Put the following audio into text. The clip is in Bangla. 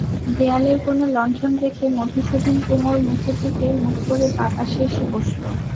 দেয়ালের কোণে লণ্ঠন রেখে মধুসূদন কুমুর মুখের দিকে মুখ করে বাঁ পাশে এসে বসল।